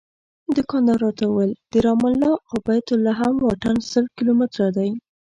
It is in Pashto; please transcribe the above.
دوکاندار راته وویل د رام الله او بیت لحم واټن شل کیلومتره دی.